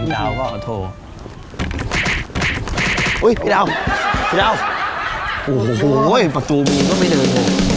โธ่พี่ดาวก็โธ่อุ้ยพี่ดาวพี่ดาวโอ้โหเฮ้ยประตูมีก็ไม่เดิน